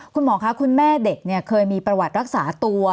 คุณหมอคะคุณแม่เด็กเคยมีประวัติรักษาตัว